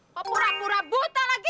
kok pura pura buta lagi